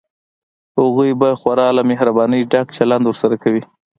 هغوی به خورا له مهربانۍ ډک چلند ورسره کوي.